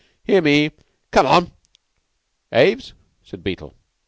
Hear me! Come on!" "Aves?" said Beetle.